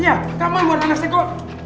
iya kamu yang membuat anak saya koma